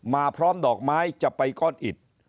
พร้อมดอกไม้จะไปก้อนอิด